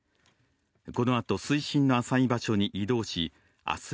このあと水深の浅い場所に移動し明日